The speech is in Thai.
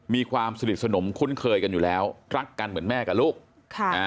มีความสนิทสนมคุ้นเคยกันอยู่แล้วรักกันเหมือนแม่กับลูกค่ะอ่า